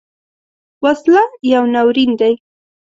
وسله یو ناورین دی